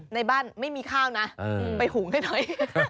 ในบ้านไม่มีข้าวนะไปหุงให้หน่อย